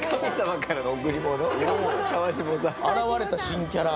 現れた新キャラ。